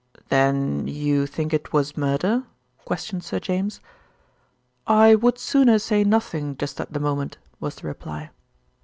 "Then you think it was murder?" questioned Sir James. "I would sooner say nothing just at the moment," was the reply.